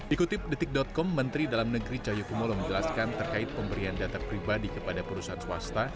dikutip detik com menteri dalam negeri cahyokumolo menjelaskan terkait pemberian data pribadi kepada perusahaan swasta